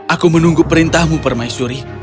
aku menunggu perintahmu permaisuri